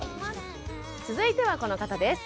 続いてはこの方です。